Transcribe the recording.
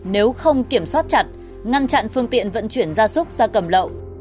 nếu không kiểm soát chặt ngăn chặn phương tiện vận chuyển da xúc da cầm lậu